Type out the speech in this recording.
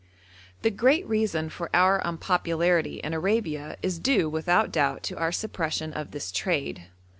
The great reason for our unpopularity in Arabia is due without doubt to our suppression of this trade.